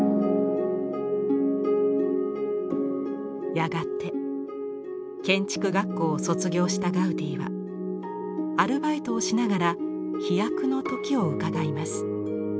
やがて建築学校を卒業したガウディはアルバイトをしながら飛躍の時をうかがいます。